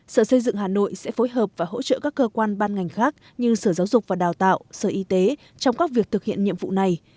sở xây dựng hà nội sẽ phối hợp và hỗ trợ các cơ quan ban ngành khác như sở giáo dục và đào tạo sở y tế trong các việc thực hiện nhiệm vụ này